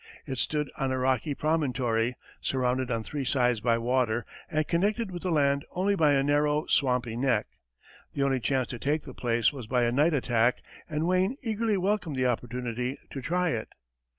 It stood on a rocky promontory, surrounded on three sides by water and connected with the land only by a narrow, swampy neck. The only chance to take the place was by a night attack, and Wayne eagerly welcomed the opportunity to try it.